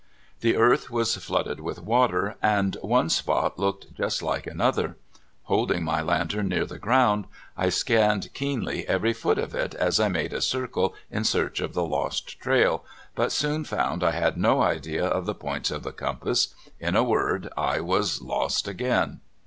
The earth was flooded with water, and one spot looked just like another. Holding my lantern near the ground, I scanned keenly every foot of it as I made a circle in search of the lost trail, but soon found I had no idea of the points of the com pass — in a word, I was lost again.